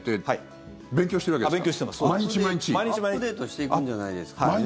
アップデートしていくんじゃないですかね。